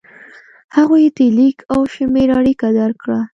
هغوی د لیک او شمېر اړیکه درک کړه.